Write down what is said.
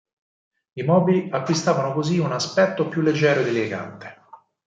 I mobili acquistavano così un aspetto più leggero ed elegante.